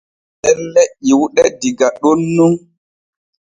Ɗelle ƴiwuɗe diga ɗon nun.